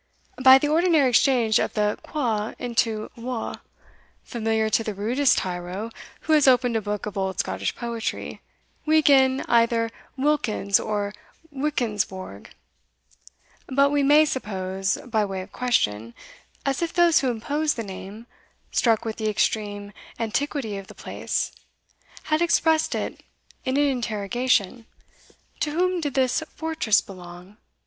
By the ordinary exchange of the Qu into Wh, familiar to the rudest tyro who has opened a book of old Scottish poetry, we gain either Whilkens, or Whichensborgh put we may suppose, by way of question, as if those who imposed the name, struck with the extreme antiquity of the place, had expressed in it an interrogation, To whom did this fortress belong?